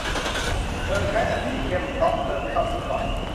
เธอใช้แต่สีเข้มเพราะเธอไม่ชอบสีอ่อน